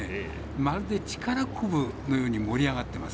まるで力こぶのように盛り上がってます。